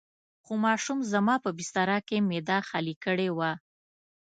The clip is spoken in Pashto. خو ماشوم زما په بستره کې معده خالي کړې وه.